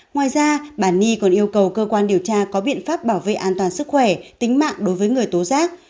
ngoài ra bà ni còn yêu cầu cơ quan điều tra có biện pháp bảo vệ an toàn sức khỏe tính mạng đối với người tố giác